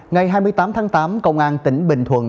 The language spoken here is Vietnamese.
ngày hai mươi tám tháng tám công an tỉnh bình thuận